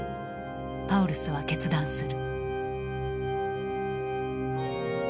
パウルスは決断する。